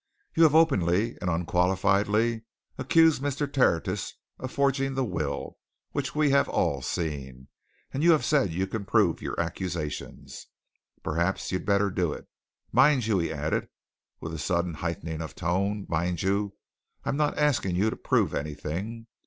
You have openly and unqualifiedly accused Mr. Tertius of forging the will which we have all seen, and have said you can prove your accusations. Perhaps you'd better do it. Mind you!" he added, with a sudden heightening of tone, "mind you, I'm not asking you to prove anything.